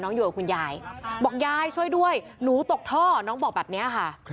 อยู่กับคุณยายบอกยายช่วยด้วยหนูตกท่อน้องบอกแบบนี้ค่ะ